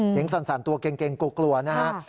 เสียงสั่นตัวเกร็งกลัวนะครับ